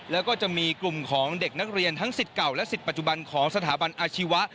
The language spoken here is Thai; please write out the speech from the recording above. แล้วก็จะมีกลุ่มของเด็กนักเรียนทั้งสิทธิ์เก่าและสิทธิปัจจุบันของสถาบันอาชีวะ